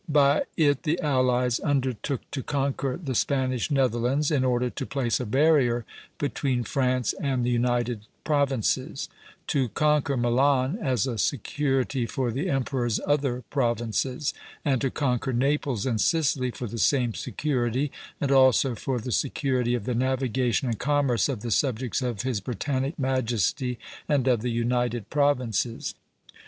By it the allies undertook to conquer the Spanish Netherlands in order to place a barrier between France and the United Provinces; to conquer Milan as a security for the emperor's other provinces; and to conquer Naples and Sicily for the same security, and also for the security of the navigation and commerce of the subjects of his Britannic Majesty and of the United Provinces.